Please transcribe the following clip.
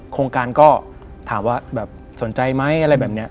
เพราะฉะนั้นก็ถามว่าสนใจไหมอะไรแบบนี้